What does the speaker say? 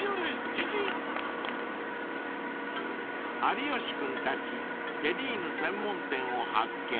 ［有吉君たちテリーヌ専門店を発見］